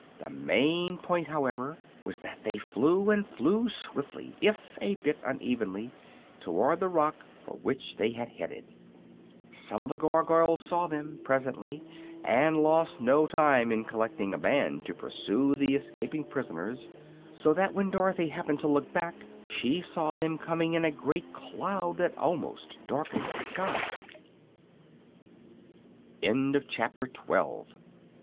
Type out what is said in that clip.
The main point, however, was that they flew, and flew swiftly, if a bit unevenly, toward the rock for which they had headed. Some of the Gargoyles saw them, presently, and lost no time in collecting a band to pursue the escaping prisoners; so that when Dorothy happened to look back she saw them coming in a great